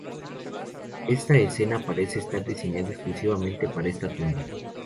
Esta escena parece estar diseñada exclusivamente para esta tumba.